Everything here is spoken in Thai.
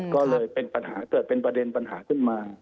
ก็เลยเป็นปัญหาเกิดเป็นประเด็นปัญหาขึ้นมา